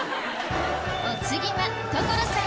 お次は所さん